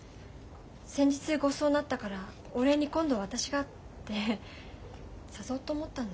先日ごちそうになったからお礼に今度は私がって誘おうと思ったんだけど。